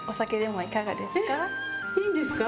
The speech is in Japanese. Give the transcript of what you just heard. えっいいんですか？